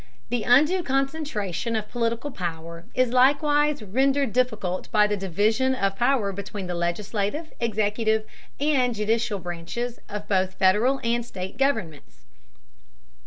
The undue concentration of political power is likewise rendered difficult by the division of power between the legislative, executive, and judicial branches of both Federal and state governments.